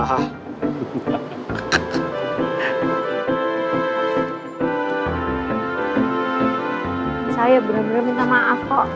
saya benar benar minta maaf kok